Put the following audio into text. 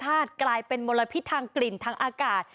ก็มายังไม่กลายเป็นมลพิษทางกลิ่นทางอากาศ